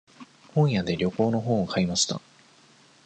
本屋で旅行の本を買いました。